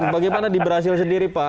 bagaimana di brazil sendiri pak